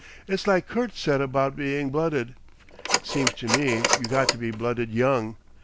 "It's like Kurt said about being blooded. Seems to me you got to be blooded young....